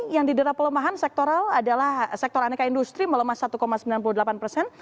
yang didera pelemahan sektoral adalah sektor aneka industri melemah satu sembilan puluh delapan persen